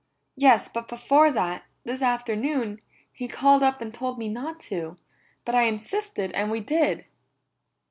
"Yes, but before that, this afternoon, he called up and told me not to, but I insisted and we did."